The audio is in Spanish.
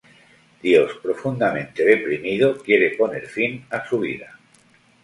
Dios profundamente deprimido, quiere poner fin a su vida.